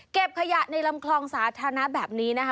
ขยะในลำคลองสาธารณะแบบนี้นะคะ